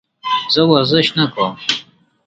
زه ورزش نه کوم.